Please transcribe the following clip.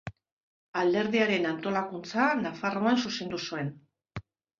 Alderdiaren antolakuntza Nafarroan zuzendu zuen.